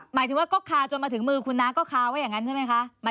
หมายถึงว่าก็คาจนมาถึงมือคุณน้าก็คาไว้อย่างนั้นใช่ไหมคะ